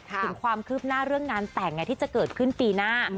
ถึงความคืบหน้าเรื่องงานแต่งที่จะเกิดขึ้นปีหน้า